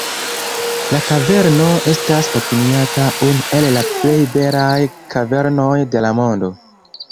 La kaverno estas opiniata unu el la plej belaj kavernoj de la mondo.